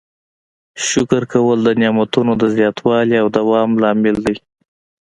شکر کول د نعمتونو د زیاتوالي او دوام لامل دی.